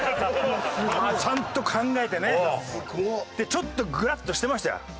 ちょっとグラッとしてましたよ。